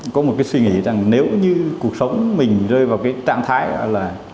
có một cái suy nghĩ rằng nếu như cuộc sống mình rơi vào cái trạng thái là